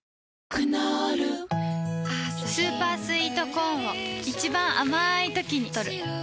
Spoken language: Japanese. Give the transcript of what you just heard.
クノールスーパースイートコーンを一番あまいときにとる